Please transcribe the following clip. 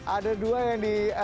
ada dua yang di